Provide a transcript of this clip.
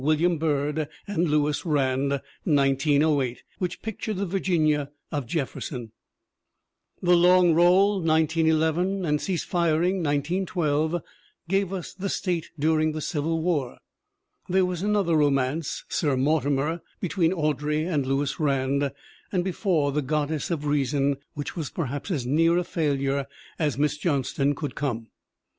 Wil liam Byrd and Lewis Rand (1908) which pictured the Virginia of Jefferson. The Long Roll (1911) and Cease Firing (1912) gave us the State during the Civil War. There was another romance, Sir Mortimer, be tween Audrey and Lewis Rand, and before The God dess of Reason, which was perhaps as near a failure as Miss Johnston could come.